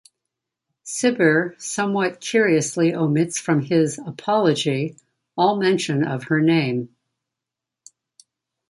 Cibber somewhat curiously omits from his "Apology" all mention of her name.